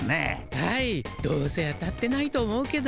はいどうせ当たってないと思うけど。